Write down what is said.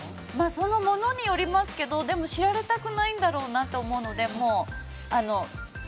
そのものによりますけどでも知られたくないんだろうなと思うので。